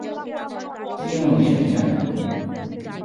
কী এমন মিশন এটা?